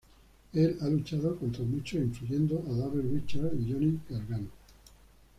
Él ha luchado contra muchos, incluyendo a Davey Richards y Johnny Gargano.